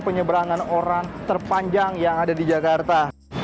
penyeberangan orang terpanjang yang ada di jakarta